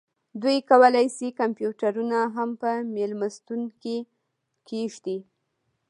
دوی کولی شي کمپیوټرونه هم په میلمستون کې کیږدي